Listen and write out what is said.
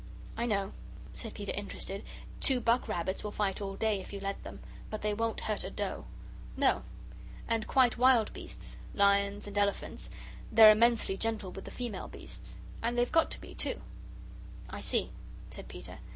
"I know," said Peter, interested; "two buck rabbits will fight all day if you let them, but they won't hurt a doe." "No; and quite wild beasts lions and elephants they're immensely gentle with the female beasts. And we've got to be, too." "I see," said Peter.